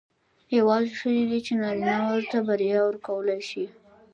یوازې ښځې دي چې نارینه وو ته بریا ورکولای شي.